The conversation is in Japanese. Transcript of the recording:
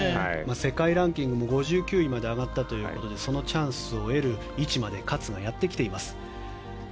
世界ランキング５９位まで上がったということでそのチャンスを得る位置まで勝がやってきています。